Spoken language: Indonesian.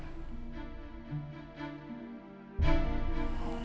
kaka itu dan kakak kamu